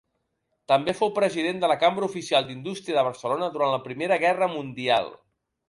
També fou president de la Cambra Oficial d'Indústria de Barcelona durant la Primera Guerra Mundial.